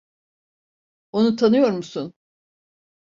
Onu tanıyor musun?